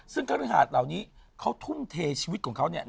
ซึ่งครึ่งหาดเหล่านี้เขาทุ่มเทชีวิตของเขาเนี่ย